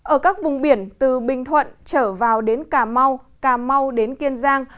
ở các vùng biển từ bình thuận trở vào đến cà mau cà mau đến kiên giang